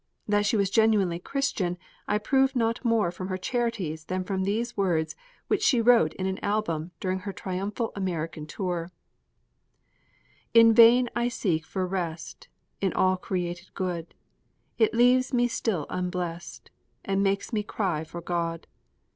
That she was genuinely Christian I prove not more from her charities than from these words which she wrote in an album during her triumphal American tour: In vain I seek for rest In all created good; It leaves me still unblest And makes me cry for God.